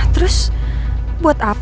terus buat apa